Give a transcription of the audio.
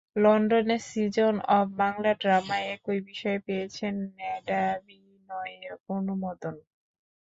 লন্ডনে season of Bangla ড্রামায় একই বিষয়ে পেয়েছেন নাট্যাভিনয়ের অনুমোদন।